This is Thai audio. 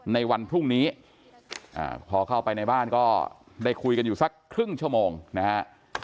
ในวันพรุ่งนี้พอเข้าไปในบ้านก็ได้คุยกันอยู่สักครึ่งชั่วโมงนะฮะ